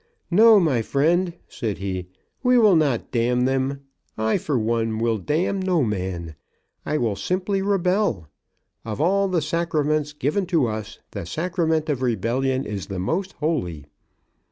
"No, my friend," said he, "we will not damn them. I for one will damn no man. I will simply rebel. Of all the sacraments given to us, the sacrament of rebellion is the most holy."